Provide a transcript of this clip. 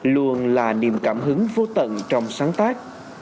luôn là niềm cảm hứng vô tận trong sáng tác